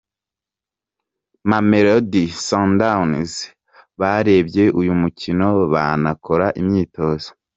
Mamelodi Sundowns barebye uyu mukino banakora imyitozo.